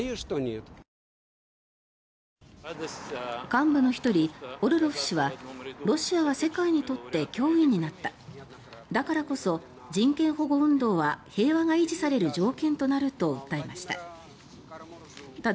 幹部の１人、オルロフ氏はロシアは世界にとって脅威になっただからこそ人権保護運動は平和が維持される条件となると訴えました。